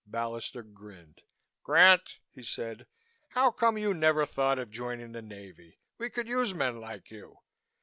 Ballister grinned. "Grant," he said. "How come you never thought of joining the Navy. We could use men like you.